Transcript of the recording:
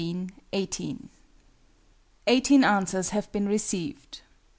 Eighteen answers have been received.